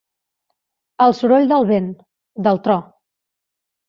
El soroll del vent, del tro.